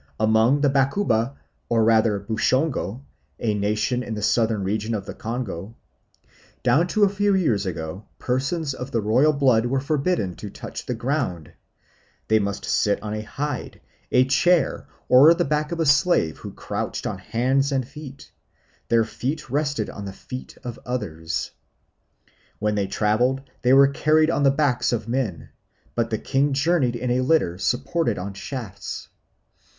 Among the Bakuba, or rather Bushongo, a nation in the southern region of the Congo, down to a few years ago persons of the royal blood were forbidden to touch the ground; they must sit on a hide, a chair, or the back of a slave, who crouched on hands and feet; their feet rested on the feet of others. When they travelled they were carried on the backs of men; but the king journeyed in a litter supported on shafts.